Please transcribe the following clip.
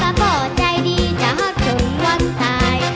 ถ้าบ่ก็ใจดีจะหักถึงวันตาย